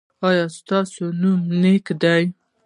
ایا ستاسو نوم نیک دی؟